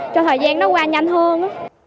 cho thời gian nó qua nhanh hơn